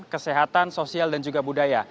kesehatan sosial dan juga budaya